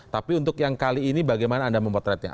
tapi untuk yang kali ini bagaimana anda memotretnya